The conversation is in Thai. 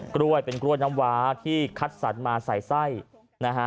กล้วยเป็นกล้วยน้ำว้าที่คัดสรรมาใส่ไส้นะฮะ